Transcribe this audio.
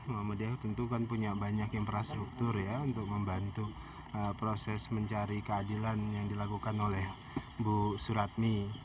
muhammadiyah tentu kan punya banyak infrastruktur ya untuk membantu proses mencari keadilan yang dilakukan oleh bu suratni